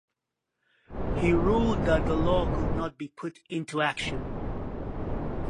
He ruled that the law could not be put into action.